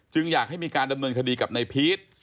อยากให้มีการดำเนินคดีกับนายพีช